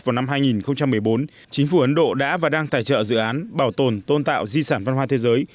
vào năm hai nghìn một mươi bốn chính phủ ấn độ đã và đang tài trợ dự án bảo tồn tôn tạo di sản văn hóa thế giới